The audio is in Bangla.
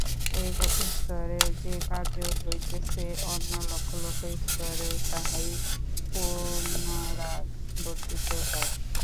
এক স্তরে যে কার্য হইতেছে, অন্য লক্ষ লক্ষ স্তরেও তাহাই পুনরাবর্তিত হয়।